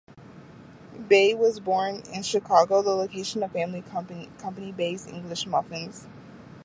Bay was born in Chicago, the location of his family's company, Bays English Muffins.